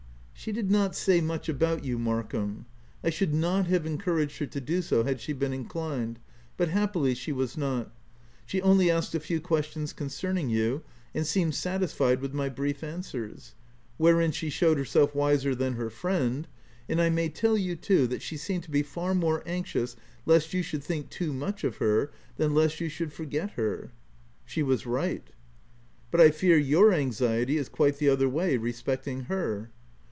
" She did not say much about you, Mark ham. I should not have encouraged her to do so, had she been inclined ; but happily she was not : she only asked a few questions con cerning you, and seemed satisfied with my brief answers ; wherein she showed herself wiser t'han her friend — and I may tell you too, that she seemed to be far more anxious lest you should think too much of her, than lest you should forget her." u She was right." " But I fear your anxiety is quite the other way, respecting her.